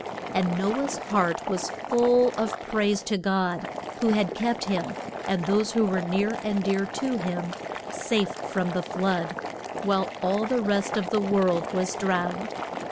And No ah's heart was full of praise to God, who had kept him, and those who were near and dear to him, safe from the flood, while all the rest of the world was drowned.